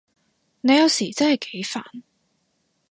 你有時真係幾煩